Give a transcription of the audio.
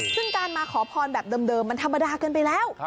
ซึ่งการมาขอพรแบบเดิมมันธรรมดาเกินไปแล้ว